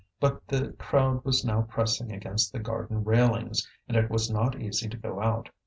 But the crowd was now pressing against the garden railings, and it was not easy to go out.